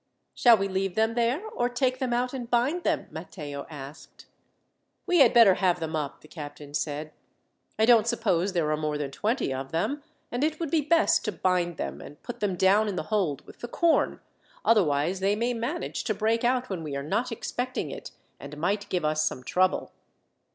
"Shall we leave them there, or take them out and bind them?" Matteo asked. "We had better have them up," the captain said. "I don't suppose there are more than twenty of them, and it would be best to bind them, and put them down in the hold with the corn, otherwise they may manage to break out when we are not expecting it, and might give us some trouble."